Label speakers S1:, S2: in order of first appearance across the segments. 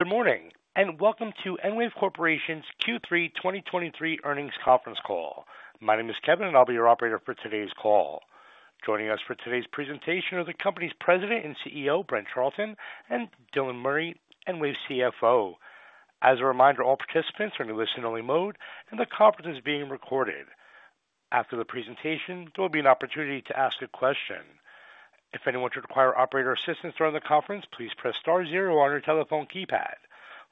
S1: Good morning, and welcome to EnWave Corporation's Q3 2023 Earnings Conference Call. My name is Kevin, and I'll be your operator for today's call. Joining us for today's presentation are the company's President and CEO, Brent Charleton, and Dylan Murray, EnWave CFO. As a reminder, all participants are in listen-only mode, and the conference is being recorded. After the presentation, there will be an opportunity to ask a question. If anyone should require operator assistance during the conference, please press star zero on your telephone keypad.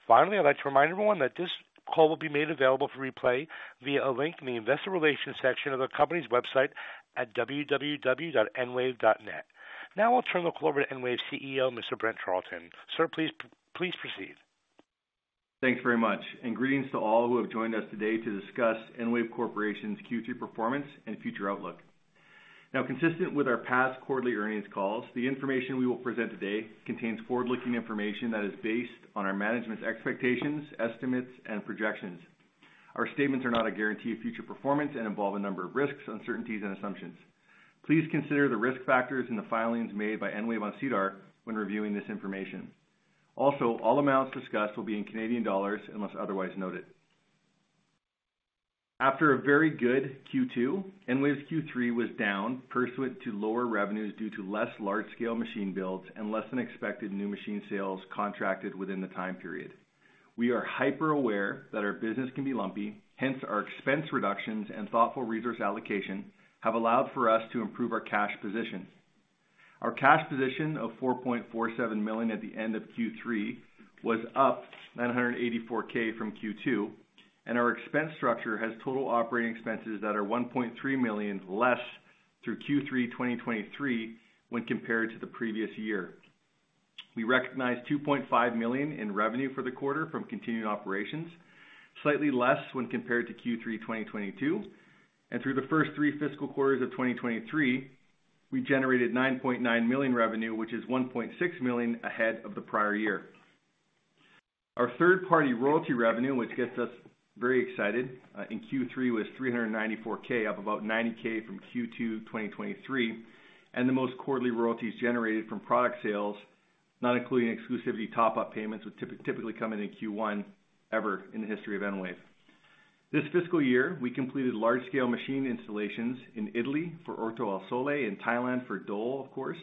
S1: Finally, I'd like to remind everyone that this call will be made available for replay via a link in the Investor Relations section of the company's website at www.enwave.net. Now I'll turn the call over to EnWave's CEO, Mr. Brent Charleton. Sir, please, please proceed.
S2: Thanks very much, and greetings to all who have joined us today to discuss EnWave Corporation's Q3 performance and future outlook. Now, consistent with our past quarterly earnings calls, the information we will present today contains forward-looking information that is based on our management's expectations, estimates, and projections. Our statements are not a guarantee of future performance and involve a number of risks, uncertainties, and assumptions. Please consider the risk factors in the filings made by EnWave on SEDAR when reviewing this information. Also, all amounts discussed will be in Canadian dollars unless otherwise noted. After a very good Q2, EnWave's Q3 was down pursuant to lower revenues due to less large-scale machine builds and less than expected new machine sales contracted within the time period. We are hyper-aware that our business can be lumpy, hence our expense reductions and thoughtful resource allocation have allowed for us to improve our cash position. Our cash position of 4.47 million at the end of Q3 was up 984K from Q2, and our expense structure has total operating expenses that are 1.3 million less through Q3 2023 when compared to the previous year. We recognized 2.5 million in revenue for the quarter from continuing operations, slightly less when compared to Q3 2022, and through the first three fiscal quarters of 2023, we generated 9.9 million revenue, which is 1.6 million ahead of the prior year. Our third-party royalty revenue, which gets us very excited, in Q3, was 394,000, up about 90,000 from Q2 2023, and the most quarterly royalties generated from product sales, not including exclusivity top-up payments, which typically come in in Q1, ever in the history of EnWave. This fiscal year, we completed large-scale machine installations in Italy for Orto Al Sole, in Thailand for Dole, of course,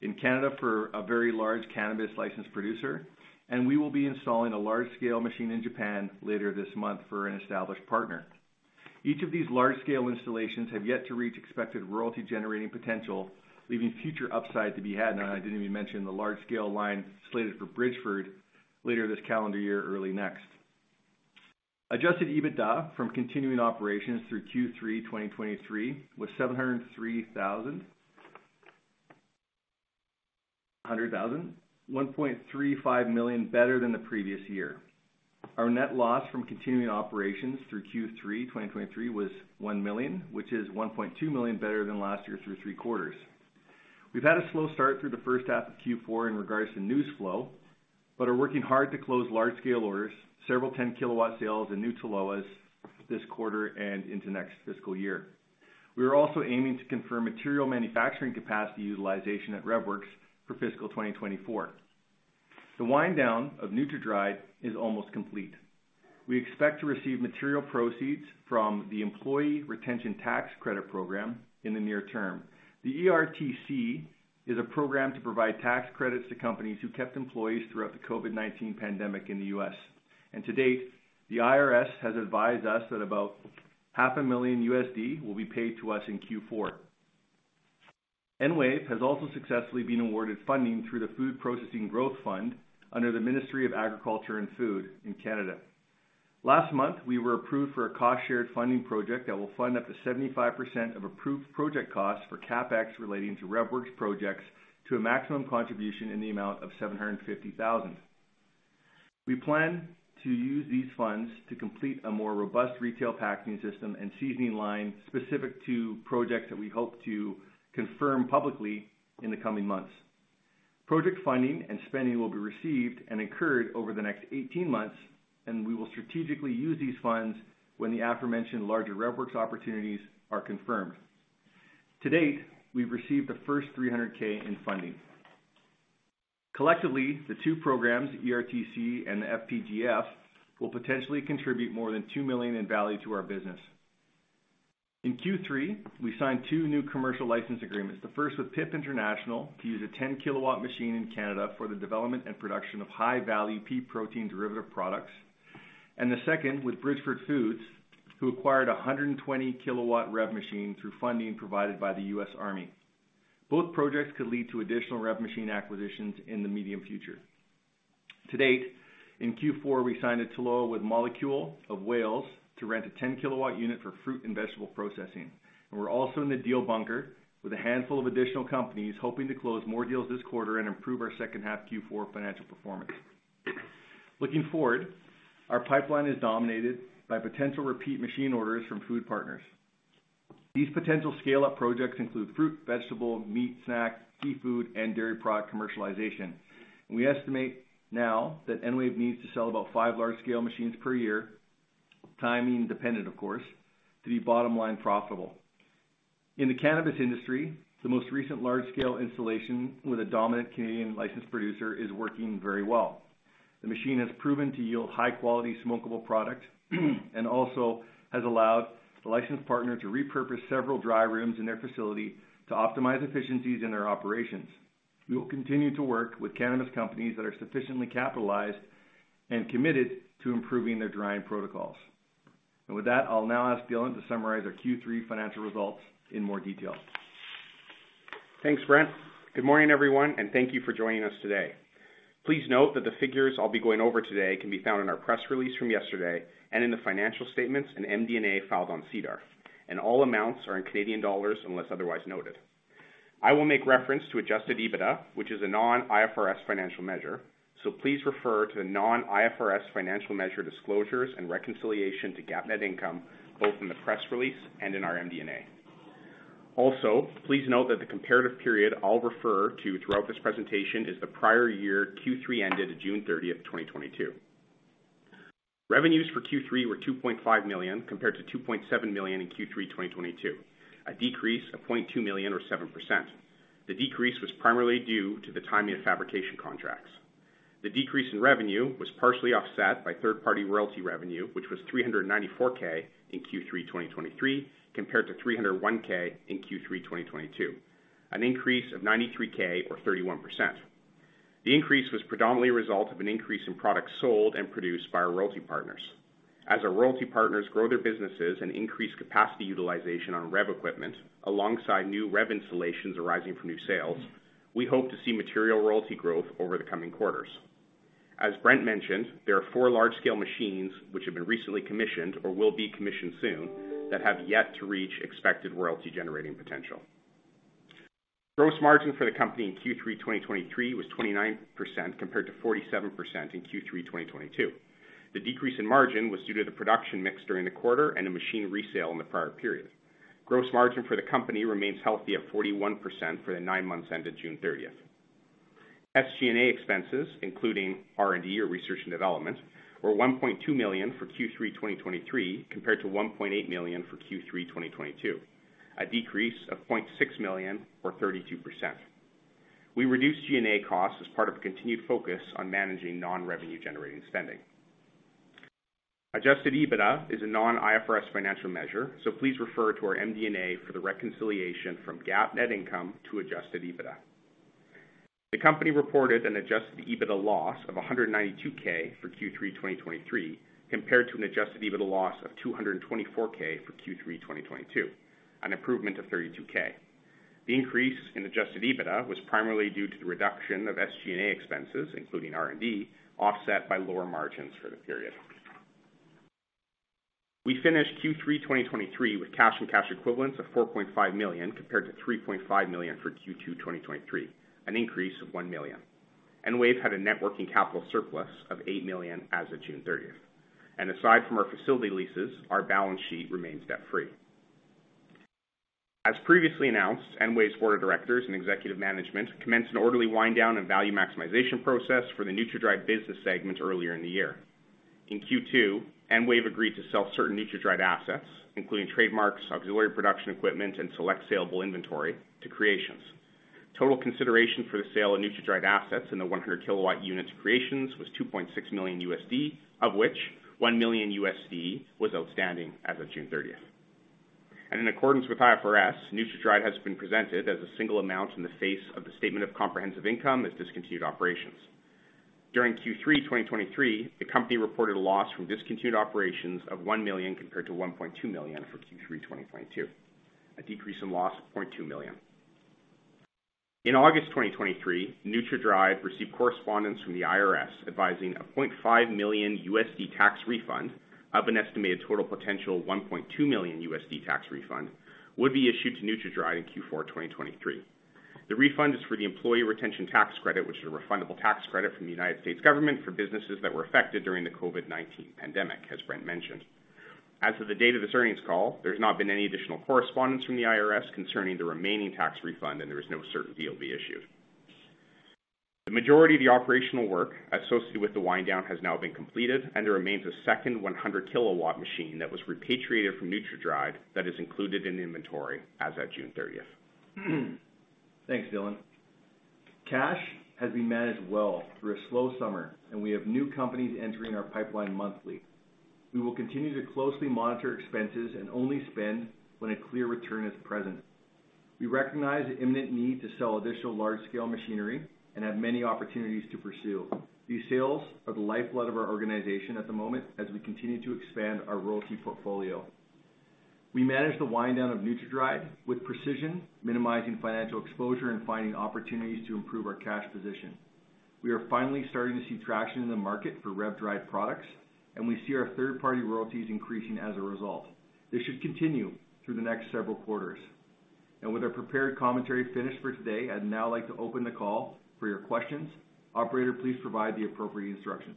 S2: in Canada for a very large cannabis licensed producer, and we will be installing a large-scale machine in Japan later this month for an established partner. Each of these large-scale installations have yet to reach expected royalty-generating potential, leaving future upside to be had. And I didn't even mention the large-scale line slated for Bridgford later this calendar year or early next. Adjusted EBITDA from continuing operations through Q3 2023 was 703,000, 1.35 million better than the previous year. Our net loss from continuing operations through Q3 2023 was 1 million, which is 1.2 million better than last year through three quarters. We've had a slow start through the first half of Q4 in regards to news flow, but are working hard to close large-scale orders, several 10 kW sales and new TLOAs this quarter and into next fiscal year. We are also aiming to confirm material manufacturing capacity utilization at RevWorks for fiscal 2024. The wind down of NutraDried is almost complete. We expect to receive material proceeds from the Employee Retention Tax Credit program in the near term. The ERTC is a program to provide tax credits to companies who kept employees throughout the COVID-19 pandemic in the U.S., and to date, the IRS has advised us that about $500,000 will be paid to us in Q4. EnWave has also successfully been awarded funding through the Food Processing Growth Fund under the Ministry of Agriculture and Food in Canada. Last month, we were approved for a cost-shared funding project that will fund up to 75% of approved project costs for CapEx relating to RevWorks projects to a maximum contribution in the amount of 750,000. We plan to use these funds to complete a more robust retail packaging system and seasoning line specific to projects that we hope to confirm publicly in the coming months. Project funding and spending will be received and incurred over the next 18 months, and we will strategically use these funds when the aforementioned larger RevWorks opportunities are confirmed. To date, we've received the first 300,000 in funding. Collectively, the two programs, ERTC and the FPGF, will potentially contribute more than 2 million in value to our business. In Q3, we signed two new commercial license agreements. The first with PIP International to use a 10 kW machine in Canada for the development and production of high-value pea protein derivative products. The second with Bridgford Foods, who acquired a 120 kW REV machine through funding provided by the U.S. Army. Both projects could lead to additional REV machine acquisitions in the medium future. To date, in Q4, we signed a TLOA with Molliculam of Wales to rent a 10 kW unit for fruit and vegetable processing. We're also in the deal bunker with a handful of additional companies, hoping to close more deals this quarter and improve our second half Q4 financial performance. Looking forward, our pipeline is dominated by potential repeat machine orders from food partners. These potential scale-up projects include fruit, vegetable, meat, snack, seafood, and dairy product commercialization. We estimate now that EnWave needs to sell about five large-scale machines per year, timing dependent, of course, to be bottom-line profitable. In the cannabis industry, the most recent large-scale installation with a dominant Canadian licensed producer is working very well. The machine has proven to yield high-quality smokable product, and also has allowed the licensed partner to repurpose several dry rooms in their facility to optimize efficiencies in their operations. We will continue to work with cannabis companies that are sufficiently capitalized and committed to improving their drying protocols. With that, I'll now ask Dylan to summarize our Q3 financial results in more detail.
S3: Thanks, Brent. Good morning, everyone, and thank you for joining us today. Please note that the figures I'll be going over today can be found in our press release from yesterday and in the financial statements and MD&A filed on SEDAR, and all amounts are in Canadian dollars, unless otherwise noted. I will make reference to Adjusted EBITDA, which is a non-IFRS financial measure, so please refer to the non-IFRS financial measure disclosures and reconciliation to GAAP net income, both in the press release and in our MD&A. Also, please note that the comparative period I'll refer to throughout this presentation is the prior year, Q3, ended June 30th, 2022. Revenues for Q3 were 2.5 million, compared to 2.7 million in Q3 2022, a decrease of 0.2 million or 7%. The decrease was primarily due to the timing of fabrication contracts. The decrease in revenue was partially offset by third-party royalty revenue, which was 394K in Q3 2023, compared to 301K in Q3 2022, an increase of 93K or 31%. The increase was predominantly a result of an increase in products sold and produced by our royalty partners. As our royalty partners grow their businesses and increase capacity utilization on REV equipment, alongside new REV installations arising from new sales, we hope to see material royalty growth over the coming quarters. As Brent mentioned, there are four large-scale machines which have been recently commissioned or will be commissioned soon that have yet to reach expected royalty-generating potential. Gross margin for the company in Q3 2023 was 29%, compared to 47% in Q3 2022. The decrease in margin was due to the production mix during the quarter and a machine resale in the prior period. Gross margin for the company remains healthy at 41% for the nine months ended June 30th. SG&A expenses, including R&D, or research and development, were 1.2 million for Q3 2023, compared to 1.8 million for Q3 2022, a decrease of 0.6 million or 32%. We reduced G&A costs as part of a continued focus on managing non-revenue-generating spending. Adjusted EBITDA is a non-IFRS financial measure, so please refer to our MD&A for the reconciliation from GAAP net income to adjusted EBITDA. The company reported an adjusted EBITDA loss of 192K for Q3 2023, compared to an adjusted EBITDA loss of 224K for Q3 2022, an improvement of 32K. The increase in Adjusted EBITDA was primarily due to the reduction of SG&A expenses, including R&D, offset by lower margins for the period. We finished Q3 2023 with cash and cash equivalents of 4.5 million, compared to 3.5 million for Q2 2023, an increase of 1 million. EnWave had a net working capital surplus of 8 million as of June 30th, and aside from our facility leases, our balance sheet remains debt-free. As previously announced, EnWave's board of directors and executive management commenced an orderly wind down and value maximization process for the NutraDried business segment earlier in the year. In Q2, EnWave agreed to sell certain NutraDried assets, including trademarks, auxiliary production equipment, and select saleable inventory to Creations. Total consideration for the sale of NutraDried assets including the 100 kW units to Creations was $2.6 million, of which $1 million was outstanding as of June 30. In accordance with IFRS, NutraDried has been presented as a single amount in the face of the statement of comprehensive income as discontinued operations. During Q3 2023, the company reported a loss from discontinued operations of $1 million compared to $1.2 million for Q3 2022, a decrease in loss of $0.2 million. In August 2023, NutraDried received correspondence from the IRS advising a $0.5 million tax refund of an estimated total potential $1.2 million tax refund would be issued to NutraDried in Q4 2023. The refund is for the employee retention tax credit, which is a refundable tax credit from the United States government for businesses that were affected during the COVID-19 pandemic, as Brent mentioned. As of the date of this earnings call, there's not been any additional correspondence from the IRS concerning the remaining tax refund, and there is no certainty it will be issued. The majority of the operational work associated with the wind down has now been completed, and there remains a second 100 kW machine that was repatriated from NutraDried that is included in the inventory as at June thirtieth.
S2: Thanks, Dylan. Cash has been managed well through a slow summer, and we have new companies entering our pipeline monthly. We will continue to closely monitor expenses and only spend when a clear return is present. We recognize the imminent need to sell additional large-scale machinery and have many opportunities to pursue. These sales are the lifeblood of our organization at the moment as we continue to expand our royalty portfolio. We managed the wind down of NutraDried with precision, minimizing financial exposure and finding opportunities to improve our cash position. We are finally starting to see traction in the market for REV-dried products, and we see our third-party royalties increasing as a result. This should continue through the next several quarters. And with our prepared commentary finished for today, I'd now like to open the call for your questions. Operator, please provide the appropriate instructions.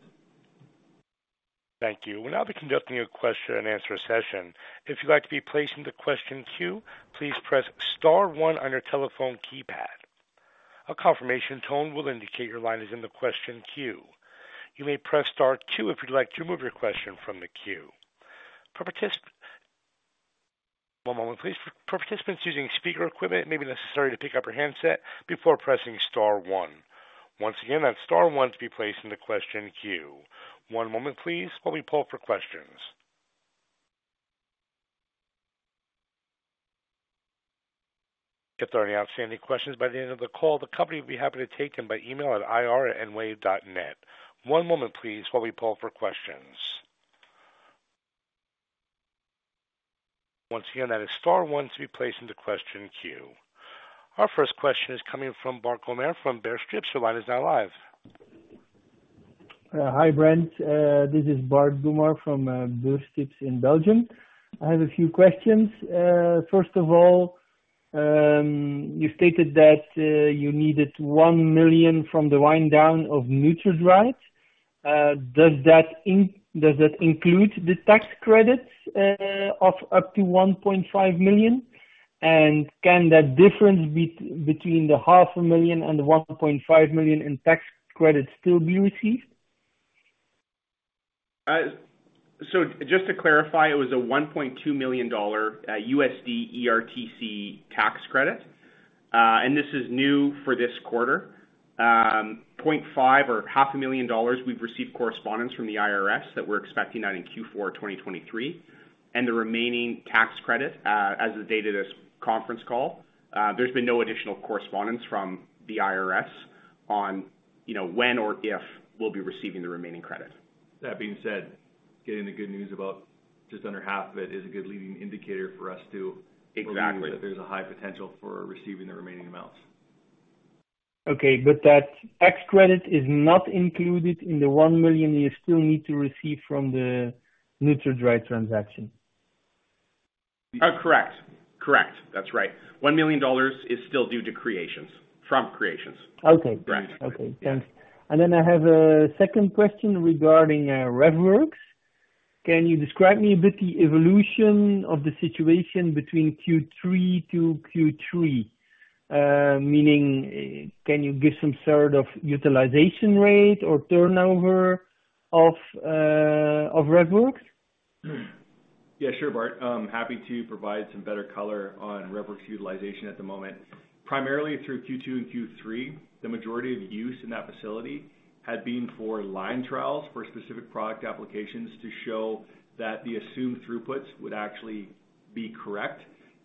S1: Thank you. We'll now be conducting a question and answer session. If you'd like to be placed in the question queue, please press star one on your telephone keypad... A confirmation tone will indicate your line is in the question queue. You may press star two if you'd like to remove your question from the queue. One moment, please. For participants using speaker equipment, it may be necessary to pick up your handset before pressing star one. Once again, that's star one to be placed in the question queue. One moment please, while we poll for questions. If there are any outstanding questions by the end of the call, the company will be happy to take them by email at ir@enwave.net. One moment, please, while we poll for questions. Once again, that is star one to be placed in the question queue. Our first question is coming from Bart Goemaere from BeursTips. The line is now live.
S4: Hi, Brent. This is Bart Goemaere from BeursTips in Belgium. I have a few questions. First of all, you stated that you needed $1 million from the wind down of NutraDried. Does that include the tax credits of up to $1.5 million? And can that difference between the $0.5 million and the $1.5 million in tax credits still be received?
S3: So just to clarify, it was a $1.2 million USD ERTC tax credit. This is new for this quarter. $0.5 million or $500,000, we've received correspondence from the IRS that we're expecting that in Q4 2023. The remaining tax credit, as of the date of this conference call, there's been no additional correspondence from the IRS on, you know, when or if we'll be receiving the remaining credit.
S2: That being said, getting the good news about just under half of it is a good leading indicator for us to-
S3: Exactly.
S2: Believe that there's a high potential for receiving the remaining amounts.
S4: Okay, but that tax credit is not included in the $1 million you still need to receive from the NutraDried transaction?
S3: Correct. Correct. That's right. $1 million is still due to Creations, from Creations.
S4: Okay.
S3: Correct.
S4: Okay, thanks. And then I have a second question regarding RevWorks. Can you describe me a bit the evolution of the situation between Q3 to Q3? Meaning, can you give some sort of utilization rate or turnover of RevWorks?
S2: Yeah, sure, Bart. I'm happy to provide some better color on RevWorks utilization at the moment. Primarily through Q2 and Q3, the majority of use in that facility had been for line trials for specific product applications to show that the assumed throughputs would actually be correct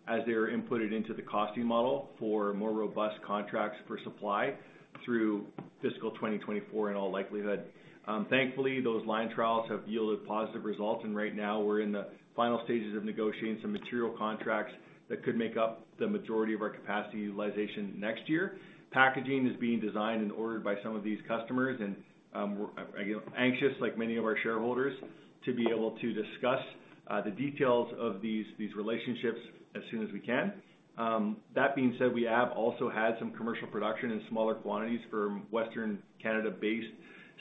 S2: as they are inputted into the costing model for more robust contracts for supply through fiscal 2024, in all likelihood. Thankfully, those line trials have yielded positive results, and right now we're in the final stages of negotiating some material contracts that could make up the majority of our capacity utilization next year. Packaging is being designed and ordered by some of these customers, and we're, again, anxious, like many of our shareholders, to be able to discuss the details of these, these relationships as soon as we can. That being said, we have also had some commercial production in smaller quantities for Western Canada-based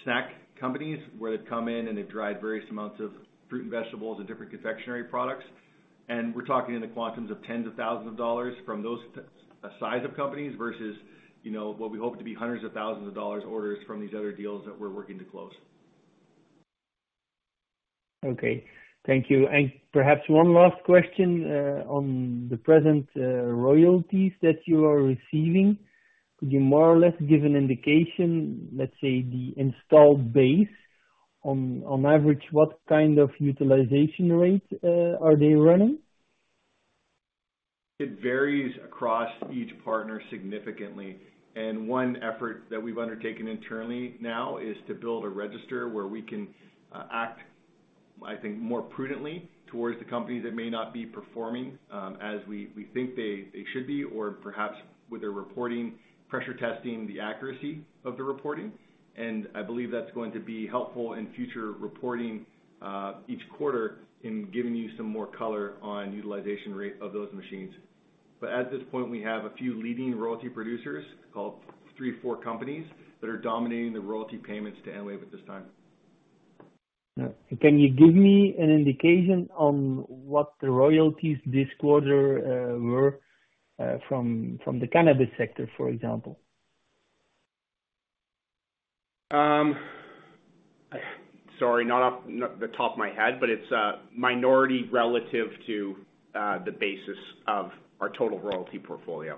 S2: snack companies, where they've come in and they've dried various amounts of fruit and vegetables and different confectionery products. And we're talking in the quanta of tens of thousands of CAD from those size of companies versus, you know, what we hope to be hundreds of thousands of CAD orders from these other deals that we're working to close.
S4: Okay, thank you. And perhaps one last question, on the present, royalties that you are receiving. Could you more or less give an indication, let's say, the installed base? On average, what kind of utilization rate are they running?
S2: It varies across each partner significantly, and one effort that we've undertaken internally now is to build a register where we can act, I think, more prudently towards the companies that may not be performing as we think they should be, or perhaps with their reporting, pressure testing the accuracy of the reporting. And I believe that's going to be helpful in future reporting each quarter in giving you some more color on utilization rate of those machines. But at this point, we have a few leading royalty producers, called three, four companies, that are dominating the royalty payments to EnWave at this time.
S4: Can you give me an indication on what the royalties this quarter were from, from the cannabis sector, for example?
S2: Sorry, not off the top of my head, but it's a minority relative to the basis of our total royalty portfolio,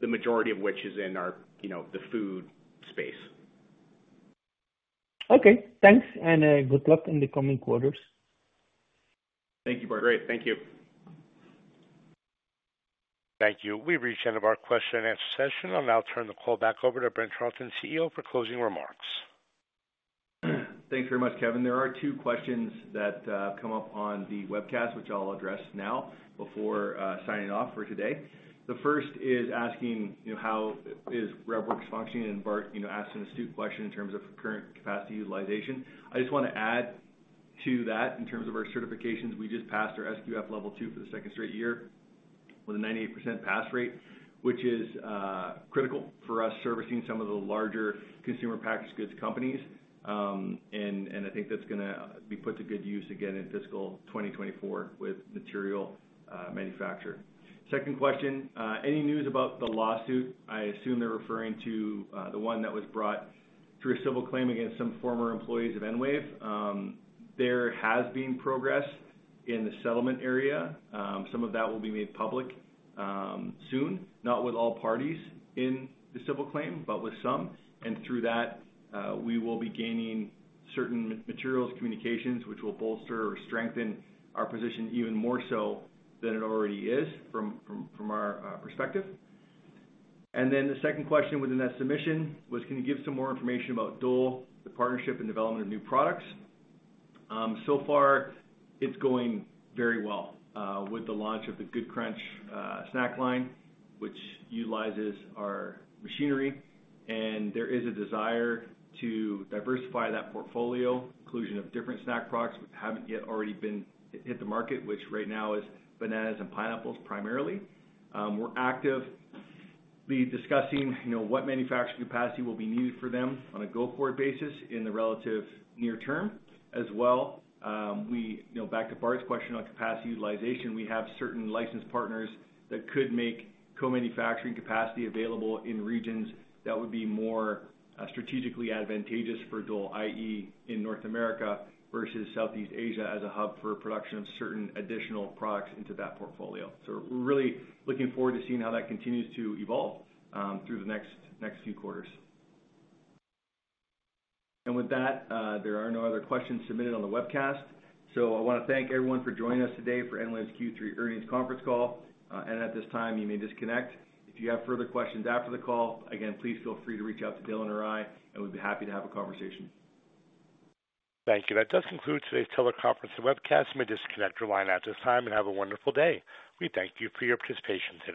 S2: the majority of which is in our, you know, the food space.
S4: Okay, thanks, and good luck in the coming quarters.
S2: Thank you, Bart.
S3: Great. Thank you.
S1: Thank you. We've reached the end of our question and answer session. I'll now turn the call back over to Brent Charleton, CEO, for closing remarks.
S2: Thanks very much, Kevin. There are two questions that come up on the webcast, which I'll address now before signing off for today. The first is asking, you know, how is RevWorks functioning, and Bart, you know, asked an astute question in terms of current capacity utilization. I just want to add to that, in terms of our certifications, we just passed our SQF Level 2 for the second straight year with a 98% pass rate, which is critical for us servicing some of the larger consumer packaged goods companies. I think that's gonna be put to good use again in fiscal 2024 with material manufacture. Second question, any news about the lawsuit? I assume they're referring to the one that was brought through a civil claim against some former employees of EnWave. There has been progress in the settlement area. Some of that will be made public soon, not with all parties in the civil claim, but with some. And through that, we will be gaining certain materials, communications, which will bolster or strengthen our position even more so than it already is from our perspective. And then the second question within that submission was: Can you give some more information about Dole, the partnership and development of new products? So far, it's going very well with the launch of the Good Crunch snack line, which utilizes our machinery, and there is a desire to diversify that portfolio, inclusion of different snack products which haven't yet already been hit the market, which right now is bananas and pineapples, primarily. We're actively discussing, you know, what manufacturing capacity will be needed for them on a go-forward basis in the relative near term. As well, we, you know, back to Bart's question on capacity utilization, we have certain licensed partners that could make co-manufacturing capacity available in regions that would be more strategically advantageous for Dole, i.e., in North America versus Southeast Asia, as a hub for production of certain additional products into that portfolio. So we're really looking forward to seeing how that continues to evolve through the next, next few quarters. And with that, there are no other questions submitted on the webcast. So I wanna thank everyone for joining us today for EnWave's Q3 earnings conference call. And at this time, you may disconnect. If you have further questions after the call, again, please feel free to reach out to Dylan or I, and we'd be happy to have a conversation.
S1: Thank you. That does conclude today's teleconference and webcast. You may disconnect your line at this time, and have a wonderful day. We thank you for your participation.